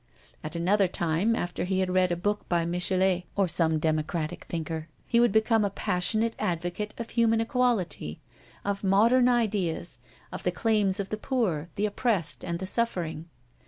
At another time, after he had read a book by Michelet or some democratic thinker, he would become a passionate advocate of human equality, of modern ideas, of the claims of the poor, the oppressed, and the suffering.